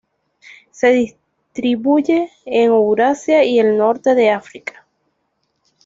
Se distribuye en Eurasia y el norte de África.